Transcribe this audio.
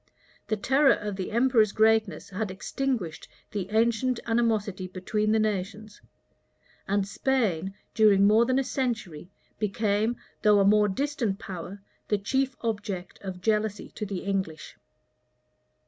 The terror of the emperor's greatness had extinguished the ancient animosity between the nations; and Spain, during more than a century, became, though a more distant power, the chief object of jealousy to the English.